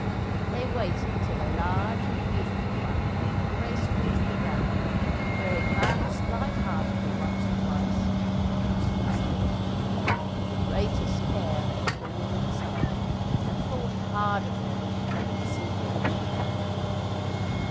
They waited till a large and beautiful one came gracefully to the ground, where it bounced light heartedly once or twice and then stood still! With the greatest care they crawled inside, and thought hard of their wish to go to Celia in Japan.